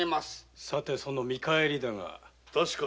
さてその見返りだが。